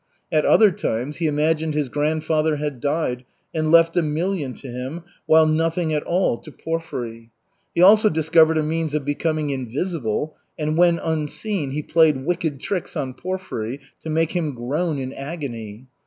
At other times he imagined his grandfather had died and left a million to him, while nothing at all to Porfiry. He also discovered a means of becoming invisible and when unseen he played wicked tricks on Porfiry to make him groan in agony.